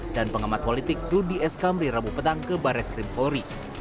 dan pengamat politik rudi eskamri rabu petang ke barres krim polri